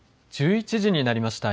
１１時になりました。